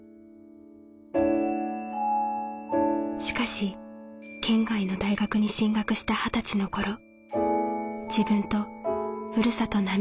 しかし県外の大学に進学した二十歳の頃自分とふるさと